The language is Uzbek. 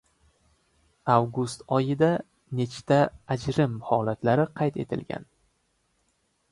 Avgust oyida nechta ajrim holatlari qayd etilgan?